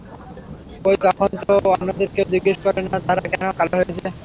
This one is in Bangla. কই তখন তো অন্যদের কেউ জিজ্ঞেস করে না তাঁরা কেন কালো হয়েছে।